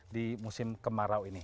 di musim kemarau ini